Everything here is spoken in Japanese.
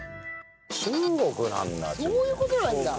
中国なんだ。